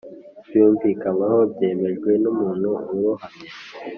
byumvikanyweho, byemejwe numuntu urohamye;